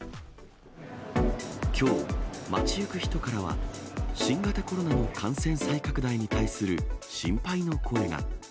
きょう、街行く人からは、新型コロナの感染再拡大に対する心配の声が。